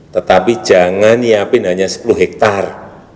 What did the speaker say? tetapi jangan nyiapin hanya sepuluh hektare